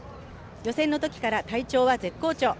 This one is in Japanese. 予選のときから体調は絶好調。